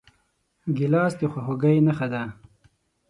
ګیلاس د خواخوږۍ نښه ده.